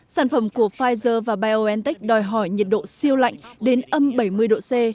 sản phẩm của pfizer và biontech đòi hỏi nhiệt độ siêu lạnh đến âm bảy mươi độ c